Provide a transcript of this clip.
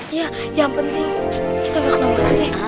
iya yang penting kita nggak kena warna deh